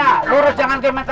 satu dua langsung semangat ya